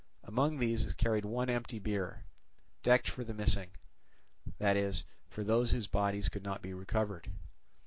Among these is carried one empty bier decked for the missing, that is, for those whose bodies could not be recovered.